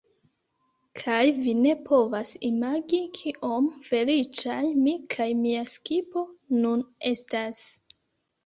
Kaj vi ne povas imagi kiom feliĉaj mi kaj mia skipo nun estas